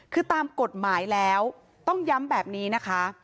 คือตามกฎหมายแล้วต้องย้ำแบบนี้นะคะ